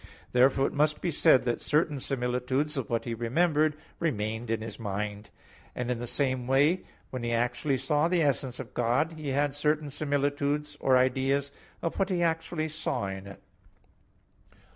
12:4). Therefore it must be said that certain similitudes of what he remembered, remained in his mind; and in the same way, when he actually saw the essence of God, he had certain similitudes or ideas of what he actually saw in it.